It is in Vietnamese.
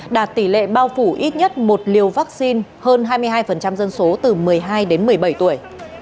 đạt tỷ lệ bao phủ ít nhất một liều vaccine hơn hai mươi hai dân số từ một mươi hai đến một mươi bảy tuổi